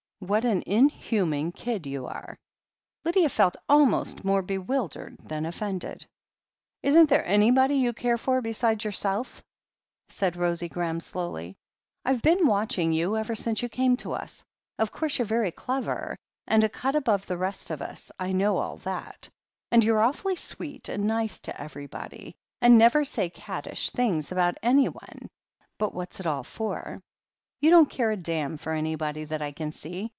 What an inhuman kid you are !" Lydia felt almost more bewildered than offended. "Isn't there anybody you care for beside yourself?" said Rosie Graham slowly. "Fve been watching you ever since you came to us. Of course you're very clever, and a cut above the rest of us — I know all that — and you're awfully sweet and nice to everybody, and never say cattish things about anyone — but what's it all for? You don't care a damn for anybody that I can see.